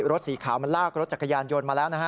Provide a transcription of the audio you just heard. รถสีขาวมันลากรถจักรยานยนต์มาแล้วนะฮะ